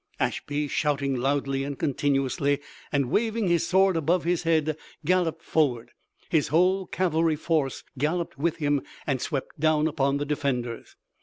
Ashby, shouting loudly and continuously and waving his sword above his head, galloped forward. His whole cavalry force galloped with him and swept down upon the defenders.